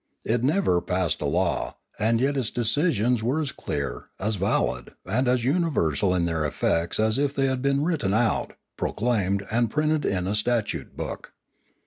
It never passed a law; and yet its decisions were as clear, as valid, and as universal in their effects as if they had been written out, proclaimed, and printed in a statute book.